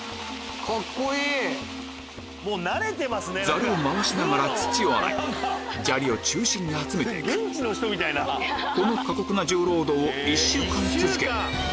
ザルを回しながら土を洗い砂利を中心に集めて行くこの過酷な重労働を１週間続け